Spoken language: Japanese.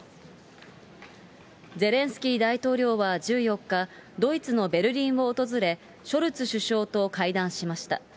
ゼレンスキー大統領は１４日、ドイツのベルリンを訪れ、ショルツ首相と会談しました。